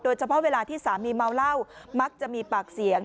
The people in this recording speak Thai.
เฉพาะเวลาที่สามีเมาเหล้ามักจะมีปากเสียง